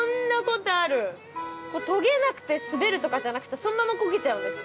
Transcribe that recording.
とげなくて滑るとかじゃなくてそのままコケちゃうんですね。